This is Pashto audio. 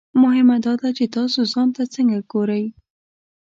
مهمه دا ده چې تاسو ځان ته څنګه ګورئ.